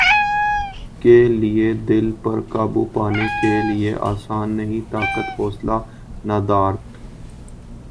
کے لیے دل پر قابو پانے کیلئے آسان نہیں طاقت حوصلہ ندارد